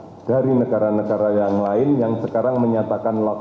kunjungan warga negara dari negara negara yang lain yang sekarang menyatakan lockdown